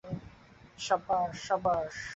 সাবাশ - সাবাশ।